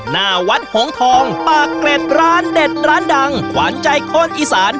หน้าวัดหงทองปากเกร็ดร้านเด็ดร้านดังขวานใจคนอีสาน